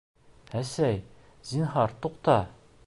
Әсәй, зинһар, туҡта!